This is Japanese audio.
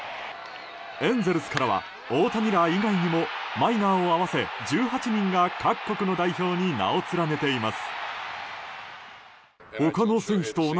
エンゼルスからは大谷ら以外にもマイナーを合わせ１８人が各国の代表に名を連ねています。